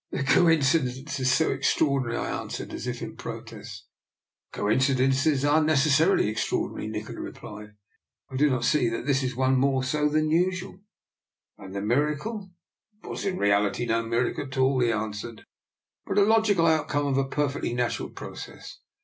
" The coincidence is so extraordinary," I answered, as if in protest. " Coincidences are necessarily extraordi nary," Nikola replied. " I do not see that this one is more so than usual." " And the miracle? "" Was in reality no miracle at all," he an swered,* " but the logical outcome of a per fectly natural process.